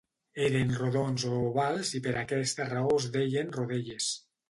Eren rodons o ovals i per aquesta raó es deien rodelles.